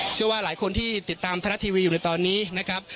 เชื่อว่าหลายคนที่ติดตามไทยรัฐทีวีอยู่ในตอนนี้นะครับ